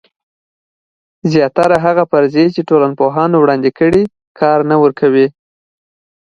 زیاتره هغه فرضیې چې ټولنپوهانو وړاندې کړي کار نه ورکوي.